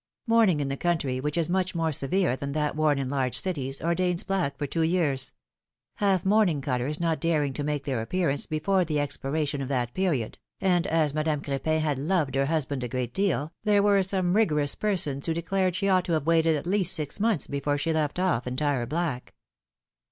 Mourning in the country, which is much more severe than that worn in large cities, ordains black for two years; half mourning colors not daring to make their appearance before the ex piration of that period, and as Madame Cr^pin had loved her husband a great deal, there were some rigorous per sons who declared she ought to have waited at least six months before she left off entire black.